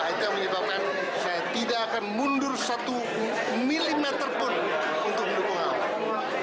itu yang menyebabkan saya tidak akan mundur satu milimeter pun untuk mendukung ahok